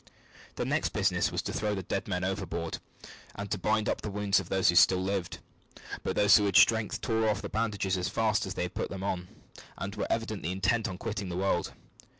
Their next business was to throw the dead men overboard, and to bind up the wounds of those who still lived; but those who had strength tore off the bandages as fast as they were put on, and were evidently intent on quitting the world.